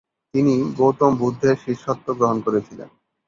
তিনি গৌতম বুদ্ধের শিষ্যত্ব গ্রহণ করেছিলেন।